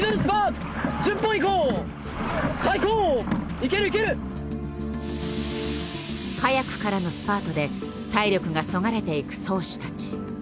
行ける！早くからのスパートで体力がそがれていく漕手たち。